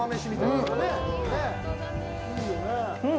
うん！